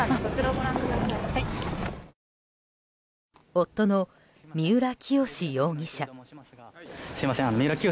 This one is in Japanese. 夫の三浦清志容疑者。